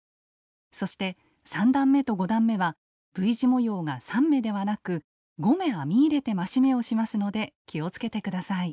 そして３段めと５段めはＶ字模様が３目ではなく５目編み入れて増し目をしますので気をつけて下さい。